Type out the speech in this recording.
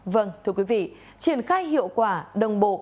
vâng thưa quý vị triển khai hiệu quả đồng bộ